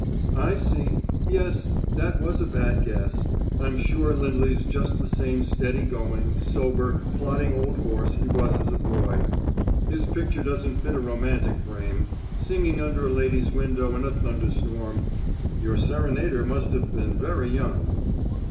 "I see. Yes, that was a bad guess: I'm sure Lindley's just the same steady going, sober, plodding old horse he was as a boy. His picture doesn't fit a romantic frame singing under a lady's window in a thunderstorm! Your serenader must have been very young."